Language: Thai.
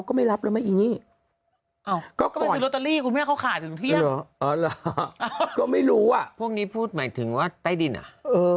ก็เอาละเอ่อก็ไม่รู้อะพวกนี้พูดหมายถึงว่าไต้ดินอ่ะเออ